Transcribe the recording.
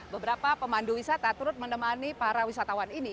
beberapa pemandu wisata turut menemani para wisatawan ini